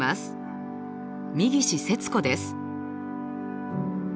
三岸節子です。